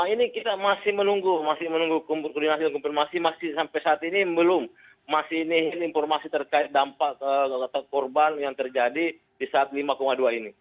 ini kita masih menunggu masih menunggu koordinasi dan konfirmasi masih sampai saat ini belum masih ini informasi terkait dampak korban yang terjadi di saat lima dua ini